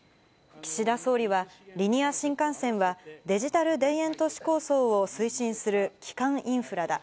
岸田総理は、リニア新幹線はデジタル田園都市構想を推進する基幹インフラだ。